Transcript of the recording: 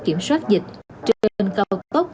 kiểm soát dịch trên cầu tốc